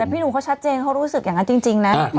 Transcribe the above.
พี่หนุ่มเขาชัดเจนเขารู้สึกอย่างนั้นจริงนะ